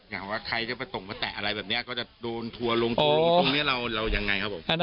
นั่งอย่างแต่ชนายังถึงแก้ต้วลงตั๋วจักร